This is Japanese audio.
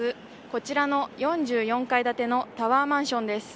こちらの４４階建てのタワーマンションです。